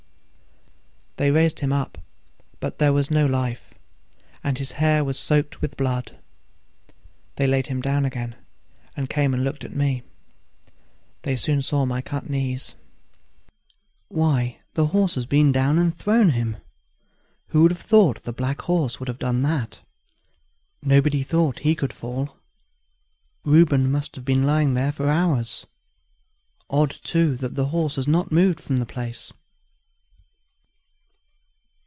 They raised him up, but there was no life, and his hair was soaked with blood. They laid him down again, and came and looked at me. They soon saw my cut knees. "Why, the horse has been down and thrown him! Who would have thought the black horse would have done that? Nobody thought he could fall. Reuben must have been lying here for hours! Odd, too, that the horse has not moved from the place."